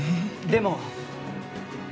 でも。